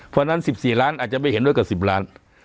เพราะฉะนั้น๑๔ล้านอาจจะไม่เห็นด้วยกับ๑๐ล้าน